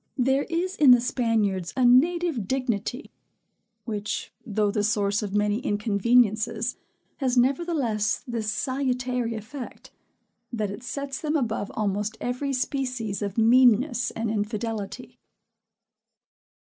There is in the Spaniards a native dignity; which, though the source of many inconveniences, has nevertheless this salutary effect, that it sets them above almost every species of meanness and infidelity.